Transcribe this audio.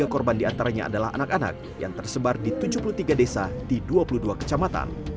tiga korban diantaranya adalah anak anak yang tersebar di tujuh puluh tiga desa di dua puluh dua kecamatan